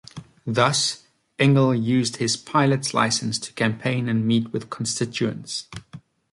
Thus, Engle used his pilot's license to campaign and meet with constituents.